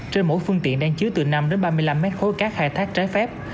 trên mỗi phương tiện đang chứa từ năm đến ba mươi năm mét khối cát khai thác trái phép